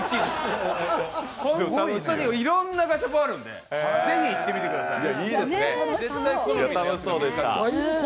いろんなガシャポンあるんで行ってみてください。